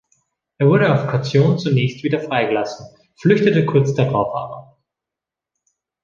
Er wurde auf Kaution zunächst wieder freigelassen, flüchtete kurz darauf aber.